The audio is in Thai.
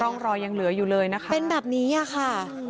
ร่องรอยยังเหลืออยู่เลยนะคะเป็นแบบนี้ค่ะ